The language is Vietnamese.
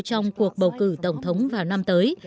trong cuộc bầu cử tổng thống vào năm tới